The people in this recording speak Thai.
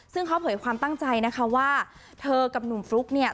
ซึ่งเขาเผยความตั้งใจนะคะว่าเธอกับหนุ่มฟลุ๊กเนี่ย